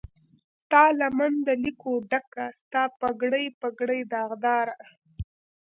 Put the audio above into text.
ستالمن د لکو ډکه، ستا پګړۍ، پګړۍ داغداره